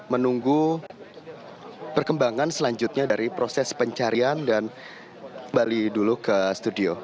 menunggu perkembangan selanjutnya dari proses pencarian dan balik dulu ke studio